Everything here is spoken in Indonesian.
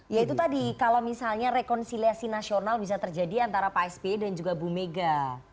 ya itu tadi kalau misalnya rekonsiliasi nasional bisa terjadi antara pak sby dan juga bu mega